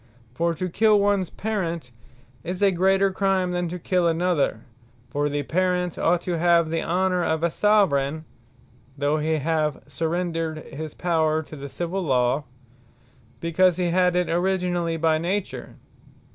For to kill ones Parent, is a greater Crime, than to kill another: for the Parent ought to have the honour of a Soveraign, (though he have surrendred his Power to the Civill Law,) because he had it originally by Nature.